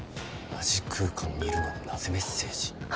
同じ空間にいるのになぜメッセージ？